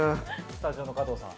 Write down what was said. スタジオの加藤さん。